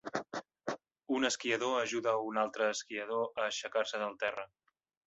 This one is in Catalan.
Un esquiador ajuda un altre esquiador a aixecar-se del terra.